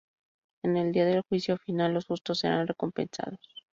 En el día del juicio final los justos serán recompensados.